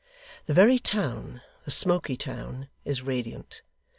The very town, the smoky town, is radiant.